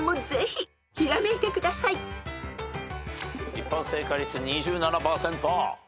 一般正解率２７％。